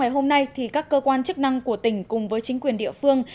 hôm nay các cơ quan chức năng của tỉnh cùng với chính quyền địa phương